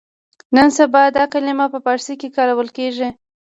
نن سبا دا کلمه په فارسي کې کارول کېږي.